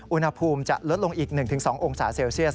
อุณหภูมิจะลดลงอีก๑๒องศาเซลเซียส